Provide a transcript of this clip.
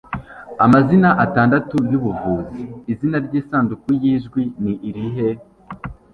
Amazina atandatu yubuvuzi Izina ryisanduku yijwi ni irihe?